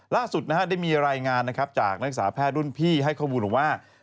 ล่าสุดได้มีรายงานจากนักศึกษาแพร่รุ่นพี่ให้ควรบูรณ์ว่า